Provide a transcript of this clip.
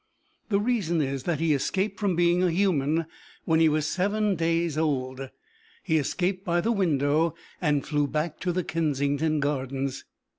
The reason is that he escaped from being a human when he was seven days' old; he escaped by the window and flew back to the Kensington Gardens.